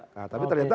nah tapi ternyata